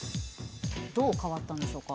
どう変わったんでしょうか。